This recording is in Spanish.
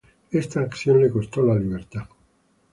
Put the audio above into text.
Esta acción le costó la libertad.